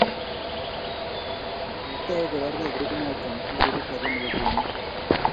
kiitou kobargei grupinoto ak grupit age nebo bunyik.